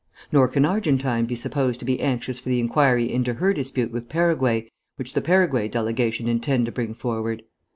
Nor can Argentine be supposed to be anxious for the inquiry into her dispute with Paraguay which the Paraguay delegation intend to bring forward.